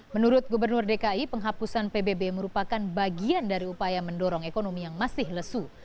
menurut gubernur dki penghapusan pbb merupakan bagian dari upaya mendorong ekonomi yang masih lesu